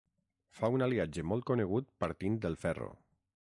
Fa un aliatge molt conegut partint del ferro.